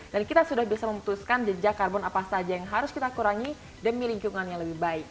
dan kita sudah bisa memutuskan jejak karbon apa saja yang harus kita kurangi demi lingkungannya lebih baik